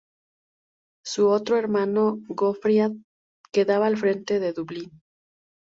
Su otro hermano, Gofraid, quedaba al frente de Dublín.